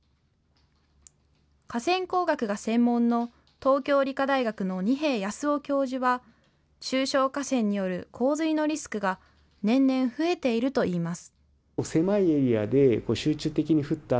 河川工学が専門の東京理科大学の二瓶泰雄教授は中小河川による洪水のリスクが年々増えているといいます。